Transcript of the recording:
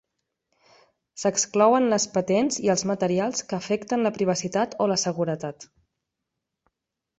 S'exclouen les patents i els materials que afecten la privacitat o la seguretat.